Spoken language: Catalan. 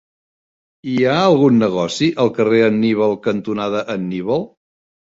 Hi ha algun negoci al carrer Anníbal cantonada Anníbal?